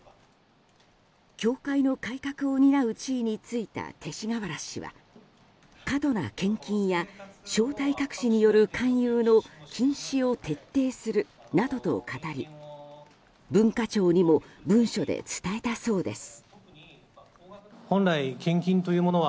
教会の改革を担う地位に就いた勅使河原氏は過度な献金や招待隠しによる勧誘の禁止を徹底するなどと語り文化庁にも文書で伝えたそうです。